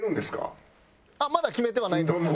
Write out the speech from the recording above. まだ決めてはないんですけど。